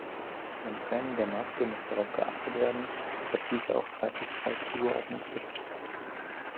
Beim Training der Maske muss darauf geachtet werden, dass diese auch zweifelsfrei zugeordnet wird.